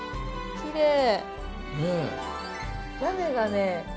きれい。